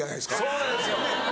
そうなんですよ！